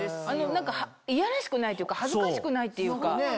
何かいやらしくないというか恥ずかしくないっていうか。